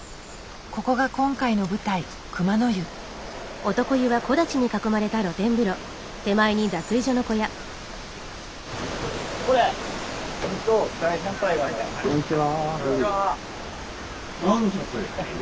ここが今回の舞台こんにちは。